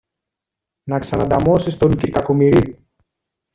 να ξανανταμώσεις τον κυρ Κακομοιρίδη